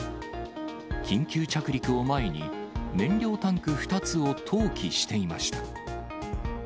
緊急着陸を前に、燃料タンク２つを投棄していました。